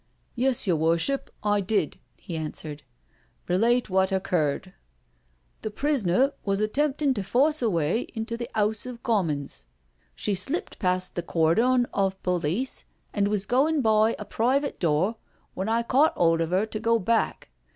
Yes, your Worship, I did," he answered. " Relate what occurred." " The prisoner was attempting to force her way into the *Ouse o* Commons. She slipt past the cor den of police and was goin* by a private door when I caught *old of *er to go back.